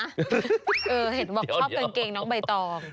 เห็นบอกชอบกางเกงน้องใบตอง